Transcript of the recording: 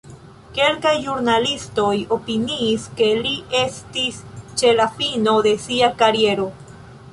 Kelkaj ĵurnalistoj opiniis, ke li estis ĉe la fino de sia kariero.